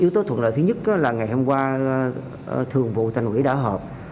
thuận lợi thứ nhất là ngày hôm qua thường vụ tành quỹ đã hợp